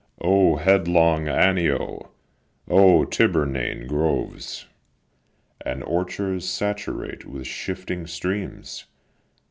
O headlong Anio! O Tiburnian groves, And orchards saturate with shifting streams!